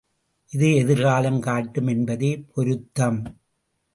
இது எதிர்காலம் காட்டும் என்பதே பொருத்தம்.